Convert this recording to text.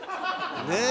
ねえ？